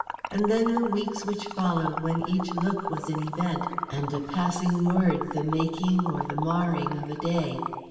And then the weeks which followed when each look was an event, and a passing word the making or the marring of a day.